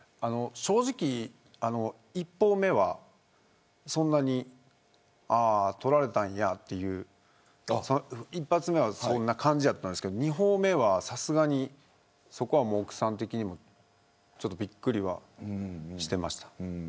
正直、１報目はああ撮られたんや、という１発目はそんな感じやったんですけど２報目は、さすがに奥さん的にもびっくりはしてました。